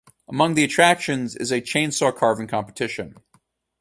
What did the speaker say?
Among the attractions is a chain saw carving competition.